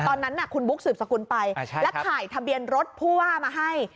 ตอนนั้นคุณบุ๊คสืบสกุลไปแล้วถ่ายทะเบียนรถผู้ว่ามาให้